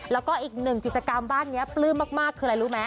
แล้วก็อีกหนึ่งกิจกรรมบ้านนี้ปลื้มมากคืออะไรรู้ไหม